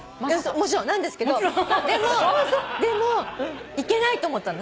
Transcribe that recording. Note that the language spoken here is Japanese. もちろんなんですけどでもいけないと思ったの。